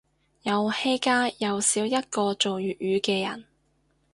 遊戲界又少一個做粵語嘅人